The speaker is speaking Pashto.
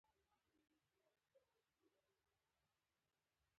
د محمود پته ولگېده، ملک صاحب وایي چې په کابل کې اوسېږي.